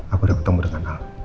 aku udah ketemu dengan al